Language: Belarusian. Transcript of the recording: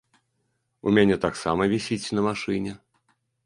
У мяне таксама вісіць на машыне.